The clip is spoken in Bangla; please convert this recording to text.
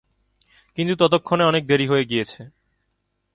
কিন্তু ততক্ষণে অনেক দেরি হয়ে গেছে।